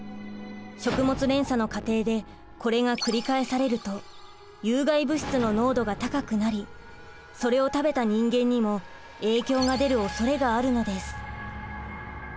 食物連鎖の過程でこれが繰り返されると有害物質の濃度が高くなりそれを食べた人間にも影響が出るおそれがあるのです。